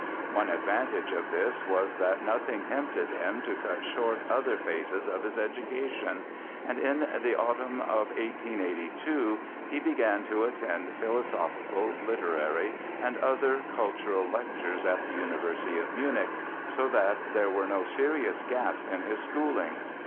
One advantage of this was that nothing tempted him to cut short other phases of his education; and in the autumn of 1882 he began to attend philosophical, literary and other cultural lectures at the University of Munich, so that there were no serious gaps in his schooling.